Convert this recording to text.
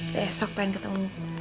besok pengen ketemu